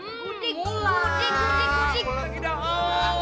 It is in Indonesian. gudik gudik gudik